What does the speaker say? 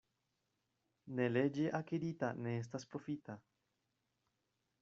Neleĝe akirita ne estas profita.